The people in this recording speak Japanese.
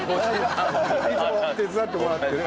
いつも手伝ってもらってる。